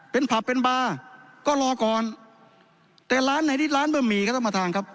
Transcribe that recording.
เป็นผับเป็นบาร์ก็รอก่อนแต่ร้านไหนที่ร้านบะหมี่ครับท่านประธานครับ